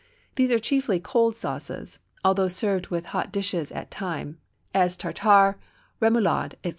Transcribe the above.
These are chiefly cold sauces, although served with hot dishes at times, as Tartare, Remoulade, etc.